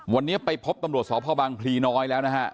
วันนี้ไปพบตำรวจสพบังพลีน้อยแล้วนะฮะ